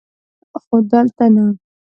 خو دلته نه!